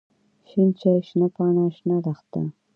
شين چای، شنه پاڼه، شنه لښته.